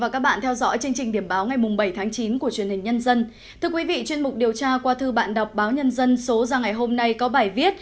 cảm ơn các bạn đã theo dõi